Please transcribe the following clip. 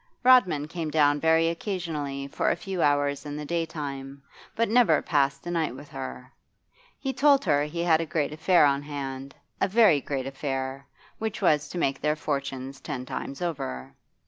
Rodman came down very occasionally for a few hours in the daytime, but never passed a night with her. He told her he had a great affair on hand, a very great affair, which was to make their fortunes ten times over.